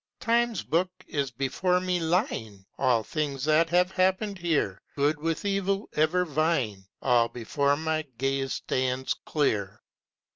Time's book is before me lying, All things that have happened here, Good with Evil ever vying All before my gaze stands clear.